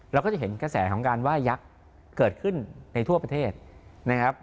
เราก็จะเห็นกระแสของการว่ายักษ์เกิดขึ้นในทั่วประเทศนะครับ